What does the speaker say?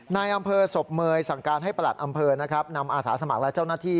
นายอำเภอศพเมยสั่งการให้ประหลัดอำเภอนะครับนำอาสาสมัครและเจ้าหน้าที่